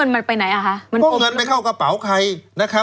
มีเงินที่เข้ากำเขาใคร